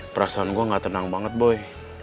perasaan gue gak tenang banget boy